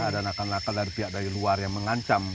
dari pihak dari luar yang mengancam